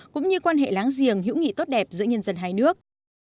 cũng như quan hệ láng giềng hữu nghị tốt đẹp giữa nhân dân hai nước